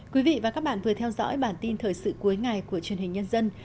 quý vị và các bạn vừa theo dõi bản tin thời sự cuối ngày của truyền hình nhân dân